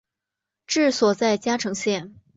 治所在嘉诚县。